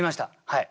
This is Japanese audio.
はい。